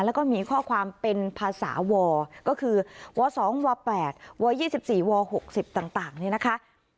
แล้วก็มีข้อความเป็นภาษาวก็คือว๒ว๘ว๒๔ว๖๐ต่างนี่นะคะ